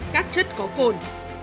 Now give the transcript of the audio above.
các chất có cồn